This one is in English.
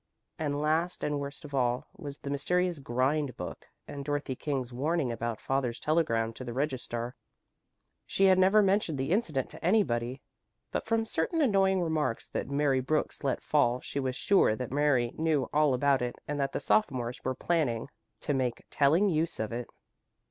And last and worst of all was the mysterious grind book and Dorothy King's warning about father's telegram to the registrar. She had never mentioned the incident to anybody, but from certain annoying remarks that Mary Brooks let fall she was sure that Mary knew all about it and that the sophomores were planning to make telling use of it.